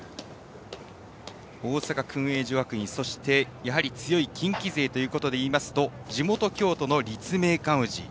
大阪薫英女学院そして、強い近畿勢ということで言いますと地元・京都の立命館宇治。